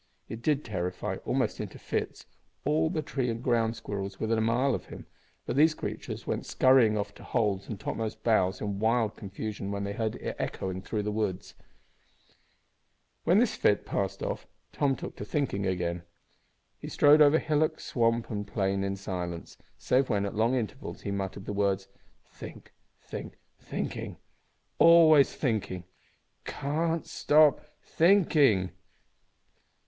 It did terrify, almost into fits, all the tree and ground squirrels within a mile of him, for these creatures went skurrying off to holes and topmost boughs in wild confusion when they heard it echoing through the woods. When this fit passed off Tom took to thinking again. He strode over hillock, swamp, and plain in silence, save when, at long intervals, he muttered the words, "Think, think, thinking. Always thinking! Can't stop think, thinking!"